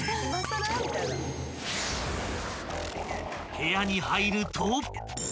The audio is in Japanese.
［部屋に入ると］